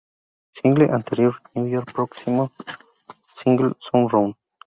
Single anterior: New Year Próximo single: Soul Sound